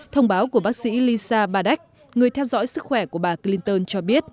thông báo của bác sĩ lisa badesh người theo dõi sức khỏe của bà clinton cho biết